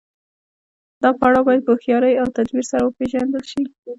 دا پړاو باید په هوښیارۍ او تدبیر سره وپیژندل شي.